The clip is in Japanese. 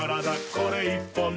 これ１本で」